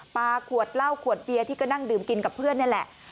ขวดเหล้าขวดเบียร์ที่ก็นั่งดื่มกินกับเพื่อนนี่แหละ